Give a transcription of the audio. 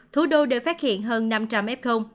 thủ đô đều phát hiện hơn năm trăm linh f